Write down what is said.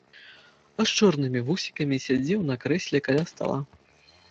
А з чорнымі вусікамі сядзеў на крэсле каля стала.